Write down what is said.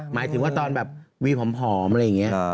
หมายถึงว่าตอนแบบวีผอมอะไรอย่างนี้